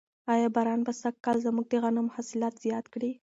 آیا باران به سږکال زموږ د غنمو حاصلات زیات کړي؟